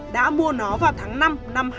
đã mua nó vào tháng năm năm hai nghìn hai mươi